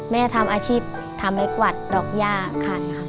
แม่ทำอาชีพทำให้กวัดดอกย่าขายค่ะ